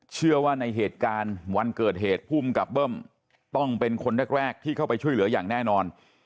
เชื่อว่าในเหตุการณ์วันเกิดเหตุภูมิกับเบิ้มต้องเป็นคนแรกที่เข้าไปช่วยเหลืออย่างแน่นอน